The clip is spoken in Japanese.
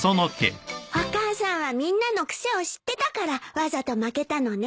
お母さんはみんなの癖を知ってたからわざと負けたのね。